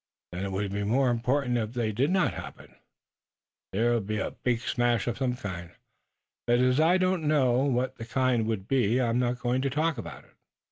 "Then it would be more important if they did not happen?" "There'd be a big smash of some kind, but as I don't know what the kind would be I'm not going to talk about it.